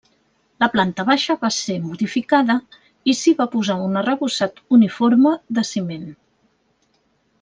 La planta baixa va ser modificada i s'hi va posar un arrebossat uniforme de ciment.